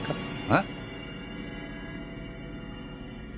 えっ！？